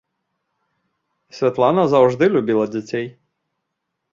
Святлана заўжды любіла дзяцей.